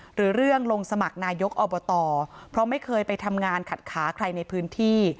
หรือเรื่องลงสมัครนายกอบตเพราะไม่เคยไปทำงานขัดขาใครในพื้นที่